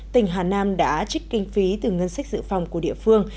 tỉnh hà nam đã trích kinh phí từ ngân sách dự phòng của địa phương